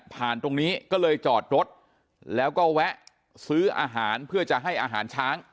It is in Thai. ตรงนี้ก็เลยจอดรถแล้วก็แวะซื้ออาหารเพื่อจะให้อาหารช้าง